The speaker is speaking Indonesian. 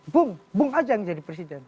bung bung aja yang jadi presiden